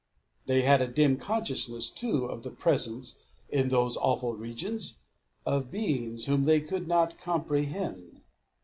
They had a dim consciousness, too, of the presence, in those awful regions, of beings whom they could not comprehend.